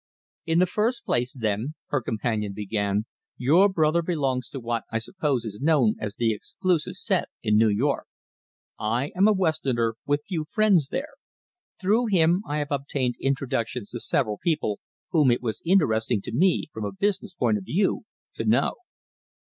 "In the first place, then," her companion began, "your brother belongs to what I suppose is known as the exclusive set in New York. I am a Westerner with few friends there. Through him I have obtained introductions to several people whom it was interesting to me, from a business point of view, to know."